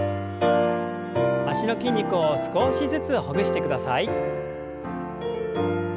脚の筋肉を少しずつほぐしてください。